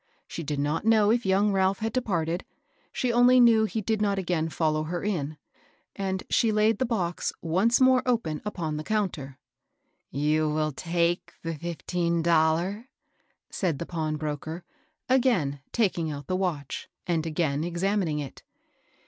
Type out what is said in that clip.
She did not know if young Ralph had departed ; she only knew he did not again follow her in, and she laid the box once more open upon the counter. "You vill take de fifteen dollar?" said the pawnbroker, again taking out the watch, and again examining it.